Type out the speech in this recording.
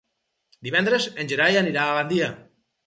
Divendres en Gerai anirà a Gandia.